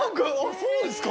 そうですか？